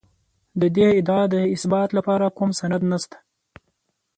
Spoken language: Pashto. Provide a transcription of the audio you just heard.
د دې ادعا د اثبات لپاره کوم سند نشته